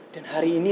dan hari ini